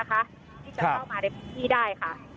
ที่จะเข้ามาในพื้นที่ได้ค่ะ